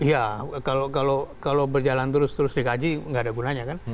iya kalau berjalan terus terus dikaji nggak ada gunanya kan